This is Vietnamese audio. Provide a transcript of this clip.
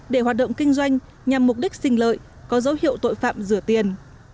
để hoạt động kinh doanh nhằm mục đích sinh lợi có dấu hiệu tội phạm rửa tiền